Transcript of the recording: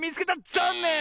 ざんねん！